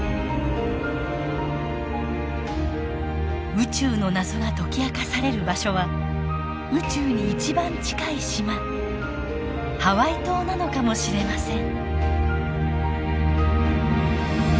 宇宙の謎が解き明かされる場所は宇宙に一番近い島ハワイ島なのかもしれません。